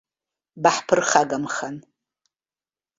Баҳԥырхагамхан.